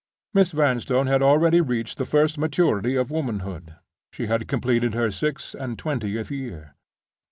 Miss Vanstone had already reached the first maturity of womanhood; she had completed her six and twentieth year.